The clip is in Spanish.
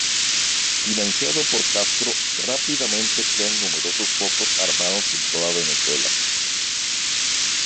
Financiado por Castro, rápidamente crean numerosos focos armados en toda Venezuela.